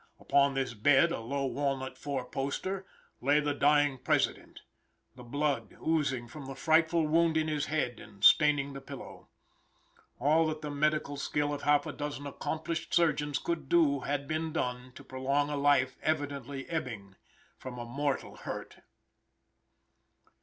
Upon this bed, a low walnut four poster, lay the dying President; the blood oozing from the frightful wound in his head and staining the pillow. All that the medical skill of half a dozen accomplished surgeons could do had been done to prolong a life evidently ebbing from a mortal hurt.